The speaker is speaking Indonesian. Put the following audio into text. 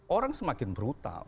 orang semakin brutal